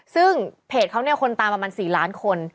ซึ่งเพจเขาเนี่ยคนตามประมาณ๔ล้านคน